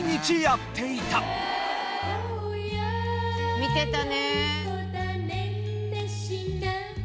見てたね。